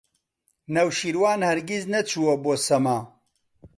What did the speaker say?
نەوشیروان هەرگیز نەچووە بۆ سەما.